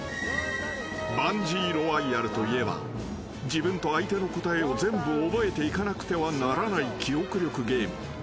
［バンジー・ロワイアルといえば自分と相手の答えを全部覚えていかなくてはならない記憶力ゲーム］